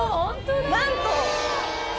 なんと。